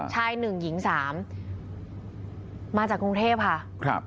ชาย๑หญิง๓มาจากกรุงเทพค่ะ